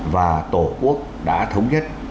và tổ quốc đã thống nhất